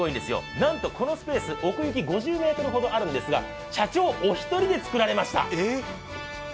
なんとこのスペース、奥行き５０ｍほどあるんですが社長お一人でつくられました。